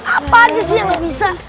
apa aja sih yang bisa